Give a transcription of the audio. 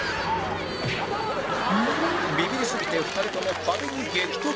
ビビりすぎて２人とも壁に激突